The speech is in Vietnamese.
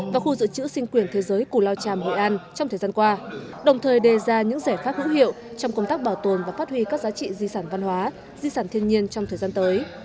và khu dự trữ sinh quyền thế giới cù lao tràm hội an trong thời gian qua đồng thời đề ra những giải pháp hữu hiệu trong công tác bảo tồn và phát huy các giá trị di sản văn hóa di sản thiên nhiên trong thời gian tới